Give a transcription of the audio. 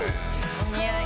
お似合い。